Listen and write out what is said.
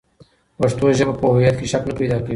پښتو ژبه په هویت کې شک نه پیدا کوي.